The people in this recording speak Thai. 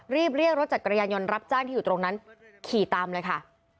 เรียกรถจักรยานยนต์รับจ้างที่อยู่ตรงนั้นขี่ตามเลยค่ะ